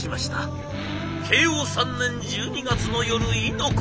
慶応３年１２月の夜亥の刻。